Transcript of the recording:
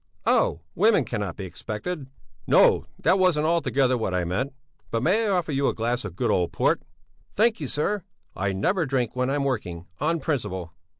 "Oh! Women cannot be expected...." "No, that wasn't altogether what I meant. But may I offer you a glass of good old port?" "Thank you, sir; I never drink when I'm working, on principle...."